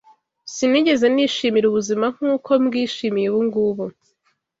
Sinigeze nishimira ubuzima nk’uko mbwishimiye ubungubu